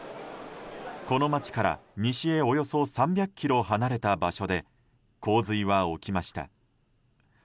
この街から西へおよそ３００ｋｍ離れた場所で洪水は起きました。